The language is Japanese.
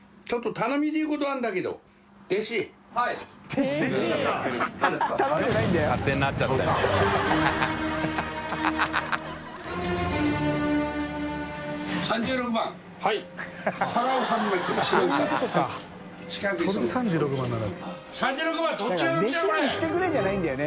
世「弟子にしてくれ」じゃないんだよね。